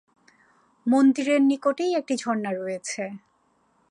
মন্দিরের নিকটেই একটি ঝরনা রয়েছে।